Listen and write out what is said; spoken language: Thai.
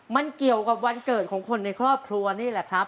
มันเกี่ยวกับวันเกิดของคนในครอบครัวนี่แหละครับ